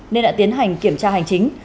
nên đã tiến hành kiểm tra hành chính